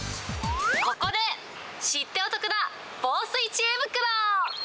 ここで知ってお得な防水知恵袋。